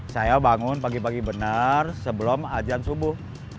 saya bangun pagi pagi benar sebelum ajan subuh